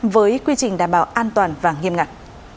với quy trình đảm bảo an toàn và nghiêm ngặt